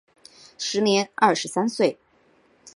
时年二十三岁。